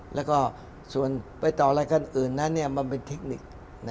แล้วก็ส่วนไปต่ออะไรกันอื่นนั้นมันเป็นเทคนิค